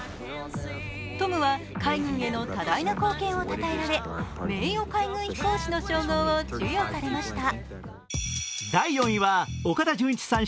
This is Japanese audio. トムは海軍への多大な貢献をたたえられ名誉海軍飛行士の称号を授与されました。